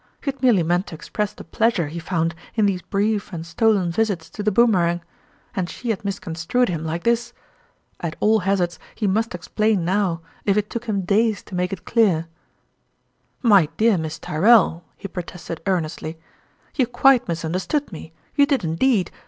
He had merely meant to express the pleasure he found in these brief and stolen visits to the Boom erang and she had misconstrued him like this ! At all hazards, he must explain now, if it took him days to make it clear. ,fourtl) Cheque. 91 " My dear Miss Tyrrell," he protested earn estly, " you quite misunderstood me you did indeed